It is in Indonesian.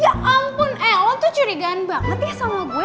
ya ampun elo tuh curigaan banget ya sama gue